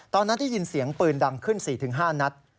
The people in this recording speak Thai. ตอนนั้นได้ยินเสียงปืนดังขึ้น๔๕นัด